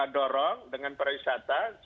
dorong dengan para wisata